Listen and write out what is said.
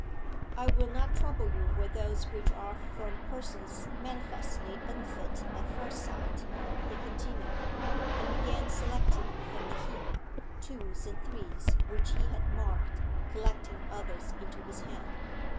'I will not trouble you with those which are from persons manifestly unfit at first sight,' he continued; and began selecting from the heap twos and threes which he had marked, collecting others into his hand.